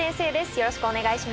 よろしくお願いします。